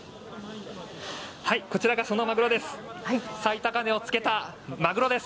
こちらがそのマグロです。